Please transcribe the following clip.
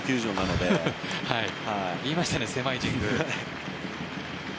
言いましたね、狭い神宮。